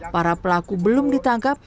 para pelaku belum ditangkap